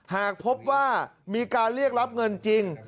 หากพบว่ามีการเรียกรับเงินจริง